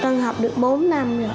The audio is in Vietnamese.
con học được bốn năm rồi